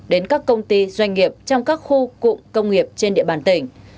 đến các công ty doanh nghiệp trong các khu cụm công nghiệp trên địa bàn tỉnh